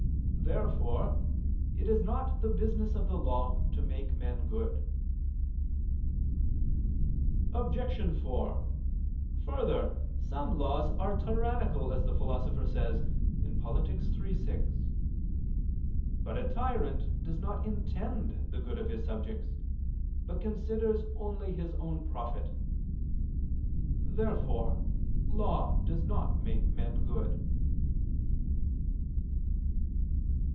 Therefore it is not the business of the law to make men good. Obj. 4: Further, some laws are tyrannical, as the Philosopher says (Polit. iii, 6). But a tyrant does not intend the good of his subjects, but considers only his own profit. Therefore law does not make men good.